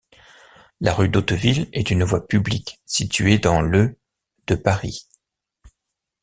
La rue d’Hauteville est une voie publique située dans le de Paris.